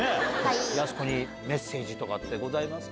やす子にメッセージとかってございますか。